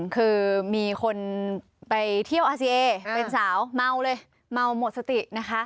คือมีคนไปเที่ยวอาซีเอเป็นสาวเมาเลยเมาหมดสตินะคะ